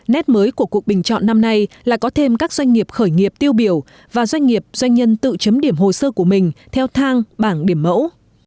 nét mới của cuộc bình chọn năm nay là có thêm các doanh nghiệp khởi nghiệp tiêu biểu và doanh nghiệp doanh nhân tự chấm điểm hồ sơ của mình theo thang bảng điểm mẫu